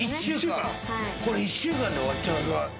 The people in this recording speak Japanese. これ１週間で終わっちゃうんだ。